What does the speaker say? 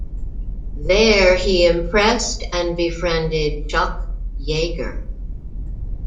There he impressed and befriended Chuck Yeager.